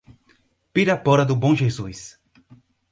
Pirapora do Bom Jesus